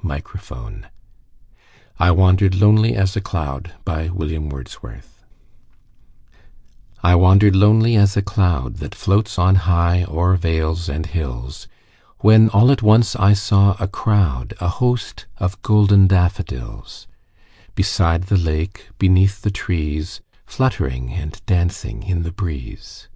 William Wordsworth I Wandered Lonely As a Cloud I WANDERED lonely as a cloud That floats on high o'er vales and hills, When all at once I saw a crowd, A host, of golden daffodils; Beside the lake, beneath the trees, Fluttering and dancing in the breeze.